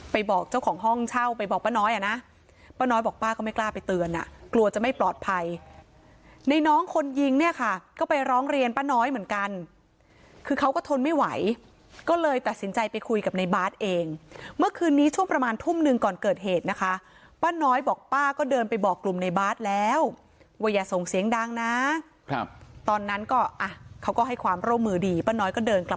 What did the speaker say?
ไปบอกเจ้าของห้องเช่าไปบอกป้าน้อยอ่ะนะป้าน้อยบอกป้าก็ไม่กล้าไปเตือนอ่ะกลัวจะไม่ปลอดภัยในน้องคนยิงเนี้ยค่ะก็ไปร้องเรียนป้าน้อยเหมือนกันคือเขาก็ทนไม่ไหวก็เลยตัดสินใจไปคุยกับในบาร์ดเองเมื่อคืนนี้ช่วงประมาณทุ่มหนึ่งก่อนเกิดเหตุนะคะป้าน้อยบอกป้าก็เดินไปบอกกลุ่มในบาร์ดแล้วว่าอย่าส่งเสีย